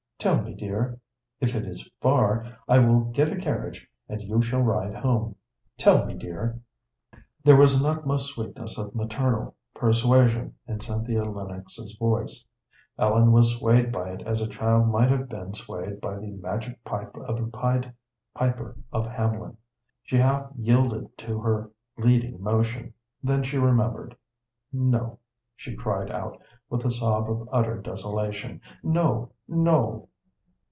Tell me, dear. If it is far, I will get a carriage, and you shall ride home. Tell me, dear." There was an utmost sweetness of maternal persuasion in Cynthia Lennox's voice; Ellen was swayed by it as a child might have been swayed by the magic pipe of the Pied Piper of Hamelin. She half yielded to her leading motion, then she remembered. "No," she cried out, with a sob of utter desolation. "No, no."